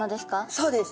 そうです。